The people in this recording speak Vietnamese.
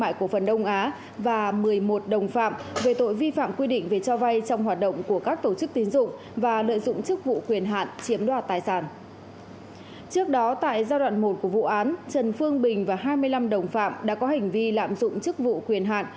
trước đó tại giai đoạn một của vụ án trần phương bình và hai mươi năm đồng phạm đã có hành vi lạm dụng chức vụ quyền hạn